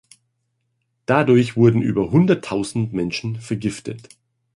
Dadurch wurden über hunderttausend Menschen vergiftet.